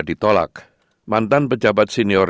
ditolak mantan pejabat senior